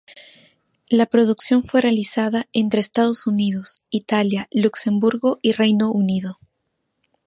La producción fue realizada entre Estados Unidos, Italia, Luxemburgo y Reino Unido.